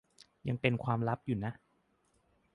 ยังเป็นความลับอยู่นะ